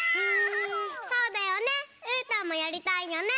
そうだよねうーたんもやりたいよね。